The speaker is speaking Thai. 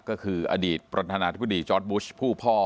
ก็คืออดีตประธานาธิบดีจอร์ดบุชผู้พ่อ